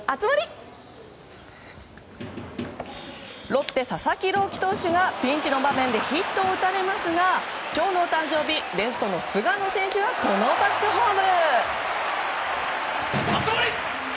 ロッテ、佐々木朗希投手がピンチの場面でヒットを打たれますが今日の誕生日レフトの菅野選手がこのバックホーム。